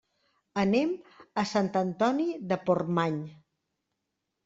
Anem a Sant Antoni de Portmany.